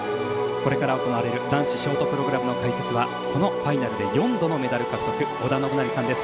これから行われる男子ショートプログラムの解説はこのファイナルで４度のメダル獲得織田信成さんです。